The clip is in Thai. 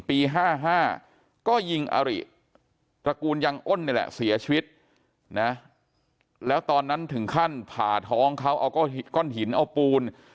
๕๕ก็ยิงอริตระกูลยังอ้นนี่แหละเสียชีวิตนะแล้วตอนนั้นถึงขั้นผ่าท้องเขาเอาก้อนหินเอาปูน